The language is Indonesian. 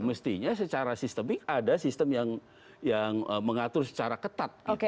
mestinya secara sistemik ada sistem yang mengatur secara ketat